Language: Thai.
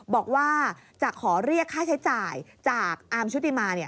บอกว่าจะขอเรียกค่าใช้จ่ายจากอาร์มชุติมา